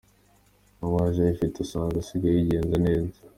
N'uwaje atayifise usanga asigaye yigenza neza".